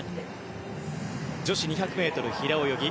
女子２００ｍ平泳ぎ。